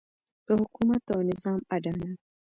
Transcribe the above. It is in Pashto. د حکومت او نظام اډانه.